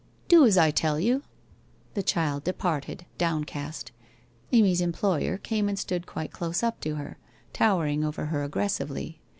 ' Do as I tell you.' The child departed, downcast. Amy's employer came and stood quite close up to her, towering over her ag gressively.